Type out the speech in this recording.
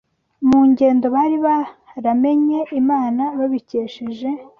mu ngendo bari baramenye Imana babikesheje